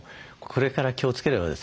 これから気をつければですね